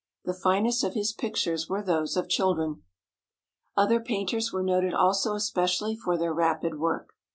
The finest of his pictures were those of children. Other painters were noted also especially for their rapid work.